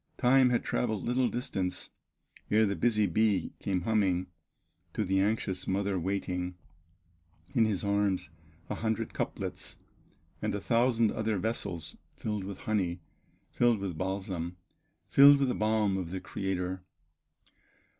Time had traveled little distance, Ere the busy bee came humming To the anxious mother waiting, In his arms a hundred cuplets, And a thousand other vessels, Filled with honey, filled with balsam, Filled with the balm of the Creator.